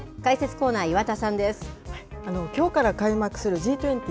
きょうから開幕するＧ２０